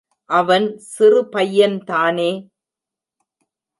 அவன் சிறு பையன் தானே.